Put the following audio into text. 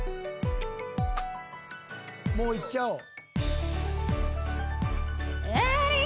もういっちゃおう。